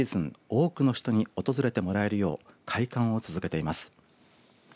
多くの人に訪れてもらえるよう開館を続けています。